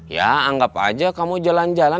ya anggap aja kamu jalan jalan